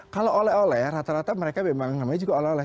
kalau oleh oleh rata rata mereka memang namanya juga oleh oleh